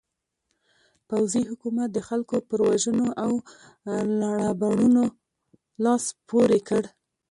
پوځي حکومت د خلکو پر وژنو او ربړونو لاس پورې کړ.